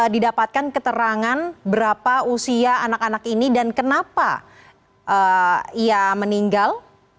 didapatkan keterangan berapa usia anak anak ini dan kenapa ia meninggal